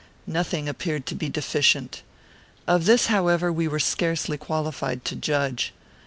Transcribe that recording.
Nothing appeared to be deficient. Of this, however, we were scarcely qualified to judge.